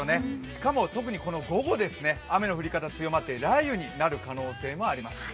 しかも特に午後、雨の降り方強まって雷雨になる可能性もあります。